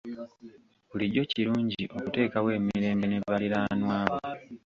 Bulijjo kirungi okuteekawo emirembe ne baliraanwa bo.